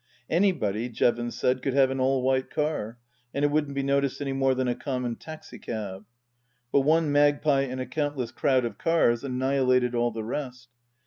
Anybody, Jevons said, could have an all white car, and it wouldn't be noticed any more than a common taxi cab. But one magpie in a countless crowd of cars annihilated all the rest.